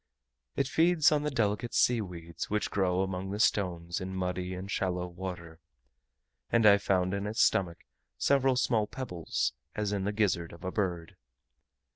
It feeds on the delicate sea weeds which grow among the stones in muddy and shallow water; and I found in its stomach several small pebbles, as in the gizzard of a bird.